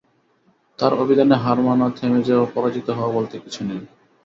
তাঁর অভিধানে হার মানা, থেমে যাওয়া, পরাজিত হওয়া বলতে কিছু নেই।